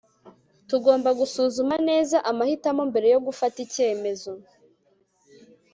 tugomba gusuzuma neza amahitamo mbere yo gufata icyemezo